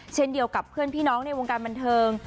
เช่นเดียวกับเพื่อนพี่น้องในวงการบันเทิง